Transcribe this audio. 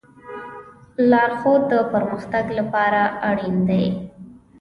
لارښود د پرمختګ لپاره اړین دی.